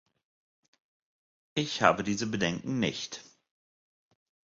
Ich habe diese Bedenken nicht.